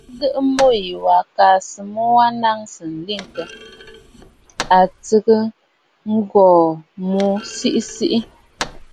Ǹdèmu wa kaa à sɨ mu wa naŋsə nlentə, a tsəʼə ghu nu siʼi siʼi.